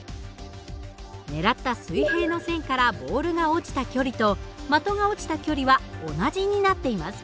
ねらった水平の線からボールが落ちた距離と的が落ちた距離は同じになっています。